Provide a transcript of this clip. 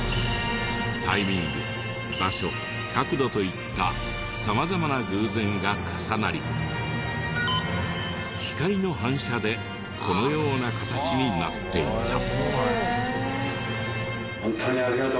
タイミング場所角度といった様々な偶然が重なり光の反射でこのような形になっていた。